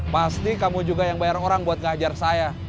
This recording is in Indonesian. pasti kamu juga yang bayar orang buat ngajar saya